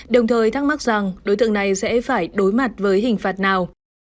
đồng thời thắc mắc rằng đối tượng này sẽ phải đối mặt với hình phạt nào